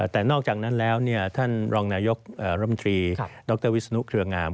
แต่นอกจากนั้นแล้วท่านรองนายกรมตรีดรวิศนุเครืองาม